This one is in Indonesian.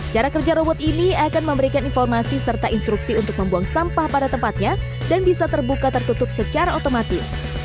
cara kerja robot ini akan memberikan informasi serta instruksi untuk membuang sampah pada tempatnya dan bisa terbuka tertutup secara otomatis